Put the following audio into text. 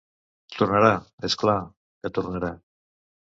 Tornarà, és clar, que tornarà.